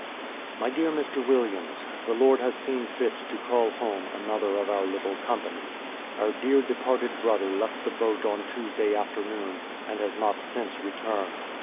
*"' My dear Mr. Williams, — The Lord has seen fit to call home another of our little company. Our dear departed brother left the boat on Tuesday afternoon, and has not since returned.